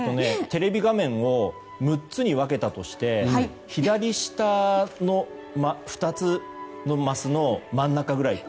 テレビ画面を６つに分けたとして左下の２つのマスの真ん中ぐらい。